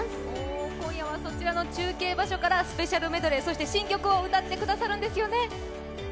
今夜はそちらの中継場所からメドレーと、そして新曲を歌ってくださるんですよね。